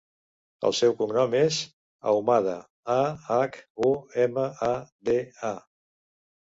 El seu cognom és Ahumada: a, hac, u, ema, a, de, a.